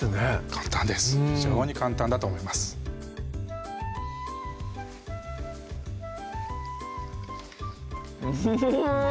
簡単です非常に簡単だと思いますうん！